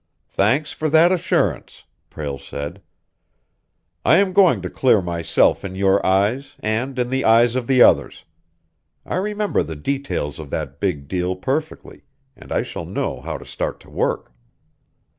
"Thanks for that assurance," Prale said. "I am going to clear myself in your eyes, and in the eyes of the others. I remember the details of that big deal perfectly and I shall know how to start to work."